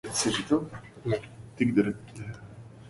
مقسومة كأنها وشيُ اليمن